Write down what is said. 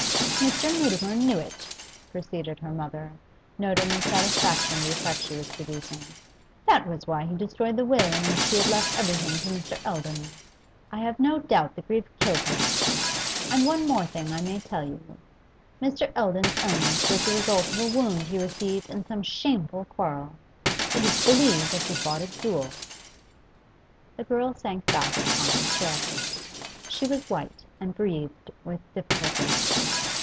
'Mr. Mutimer knew it,' proceeded her mother, noting with satisfaction the effect she was producing. 'That was why he destroyed the will in which he had left everything to Mr. Eldon; I have no doubt the grief killed him. And one thing more I may tell you. Mr. Eldon's illness was the result of a wound he received in some shameful quarrel; it is believed that he fought a duel.' The girl sank back upon her chair. She was white and breathed with difficulty.